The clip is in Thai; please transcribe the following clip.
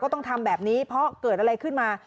ต้องทำแบบนี้เพราะเกิดอะไรขึ้นมา